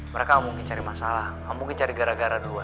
mereka mungkin cari masalah mungkin cari gara gara duluan